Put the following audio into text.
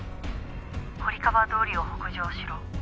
堀川通を北上しろ」